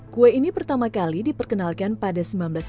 kue ini pertama kali diperkenalkan pada seribu sembilan ratus sembilan puluh